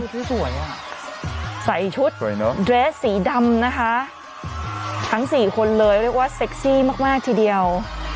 สวยอ่ะใส่ชุดเดรสสีดำนะคะทั้งสี่คนเลยเรียกว่าเซ็กซี่มากทีเดียว